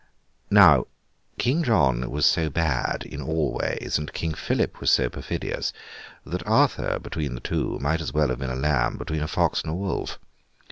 Now, King John was so bad in all ways, and King Philip was so perfidious, that Arthur, between the two, might as well have been a lamb between a fox and a wolf.